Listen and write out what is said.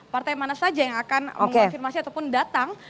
partai mana saja yang akan mengonfirmasi ataupun datang